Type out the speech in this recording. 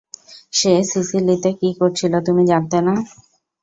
সে সিসিলিতে কী করছিল তুমি জানতে না?